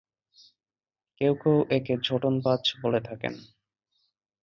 কেউ কেউ একে ঝোঁটন-বাজ বলে থাকেন।